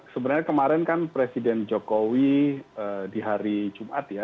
sebenarnya kemarin kan presiden jokowi di hari jumat ya